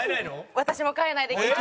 私も変えないでいきます！